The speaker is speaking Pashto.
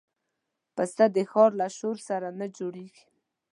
پسه د ښار له شور سره نه جوړيږي.